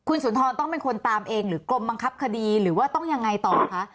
คุณสุนทรต้องเป็นคนตามเองหรือกรมบังคับคดีหรือว่าต้องยังไงต่อคะ